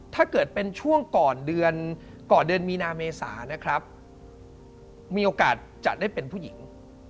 ถ้าเกิดเป็นช่วงก่อนเดือนก่อนเดือนมีนาเมษานะครับมีโอกาสจะได้เป็นผู้หญิง